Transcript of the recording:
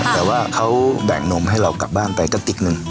แต่ว่าเขาแบ่งนมให้เรากลับบ้านไปกระติกหนึ่ง